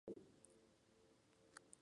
Roba las caravanas.